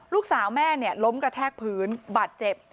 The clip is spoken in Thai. ลูกสาวแม่ล้มกระแทกพื้นบาดเจ็บ